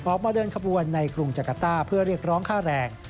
ออกมาเดินขบวนในกรุงจักรต้าเพื่อเรียกร้องค่าแรง